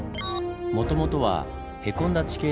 もともとはへこんだ地形でした。